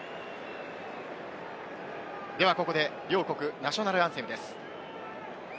ではここで、両国、ナショナルアンセムです。